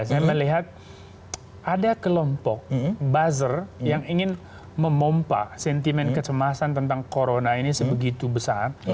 saya melihat ada kelompok buzzer yang ingin memompa sentimen kecemasan tentang corona ini sebegitu besar